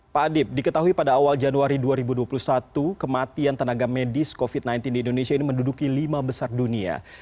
pak adib diketahui pada awal januari dua ribu dua puluh satu kematian tenaga medis covid sembilan belas di indonesia ini menduduki lima besar dunia